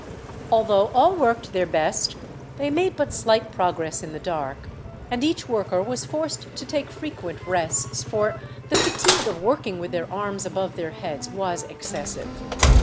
Although all worked their best, they made but slight progress in the dark, and each worker was forced to take frequent rests, for the fatigue of working with their arms above their heads was excessive.